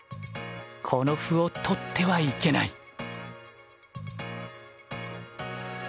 この歩を取ってはいけない。